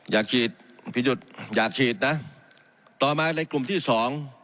อยากฉีดผิดหยุดอยากฉีดนะต่อมาในกลุ่มที่สอง